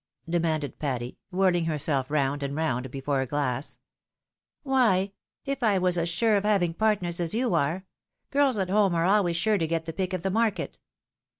demanded Patty, whirling herself round and round before a glass. " Why — if 1 was as sure of having partners as you are. Girls at home are always sure to get the pick of the market